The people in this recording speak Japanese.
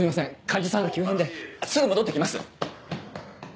患者さんが急変ですぐ戻って来ます！